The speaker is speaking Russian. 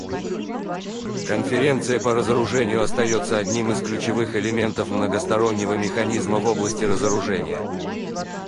Конференция по разоружению остается одним из ключевых элементов многостороннего механизма в области разоружения.